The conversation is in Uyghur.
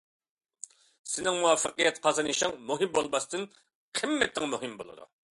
سېنىڭ مۇۋەپپەقىيەت قازىنىشىڭ مۇھىم بولماستىن، قىممىتىڭ مۇھىم بولىدۇ.